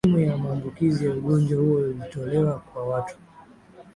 elimu ya maambukizi ya ugonjwa huo ilitolewa kwa watu